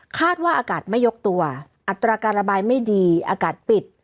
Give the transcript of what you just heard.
อากาศไม่ยกตัวอัตราการระบายไม่ดีอากาศปิด